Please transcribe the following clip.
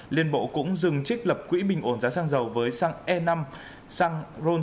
liên bộ cũng dừng trích lập quỹ bình ổn giá xăng dầu với xăng e năm xăng ron chín